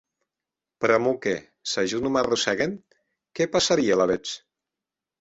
Pr'amor que, s'a jo non m'arrossèguen, qué passarie alavetz?